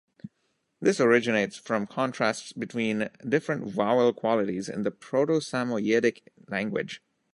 This originates from contrasts between different vowel qualities in the Proto-Samoyedic language.